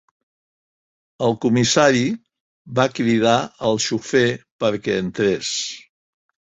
El comissari va cridar el xofer perquè entrés.